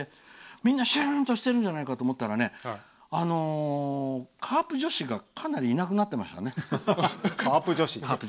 みんなシュンとしてるんじゃないかと思ったらカープ女子がかなりいなくなってましたね。